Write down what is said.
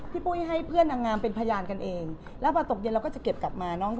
ปุ้ยให้เพื่อนนางงามเป็นพยานกันเองแล้วพอตกเย็นเราก็จะเก็บกลับมาน้อง